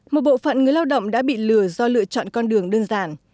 một bộ phận người lao động đã bị lừa do lựa chọn con đường đơn giản